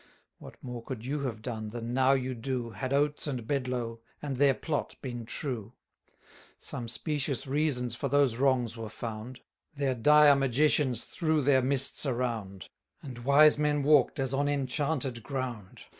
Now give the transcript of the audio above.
What more could you have done, than now you do, Had Oates and Bedlow, and their plot been true? Some specious reasons for those wrongs were found; 720 Their dire magicians threw their mists around, And wise men walk'd as on enchanted ground.